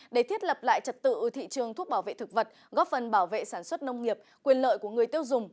để thiết lập lại trật tự thị trường thuốc bảo vệ thực vật góp phần bảo vệ sản xuất nông nghiệp quyền lợi của người tiêu dùng